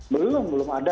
belum belum ada